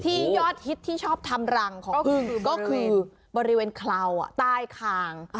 ที่ยอดฮิตที่ชอบทำรังของก็คือบริเวณเคราะห์ใต้ขาง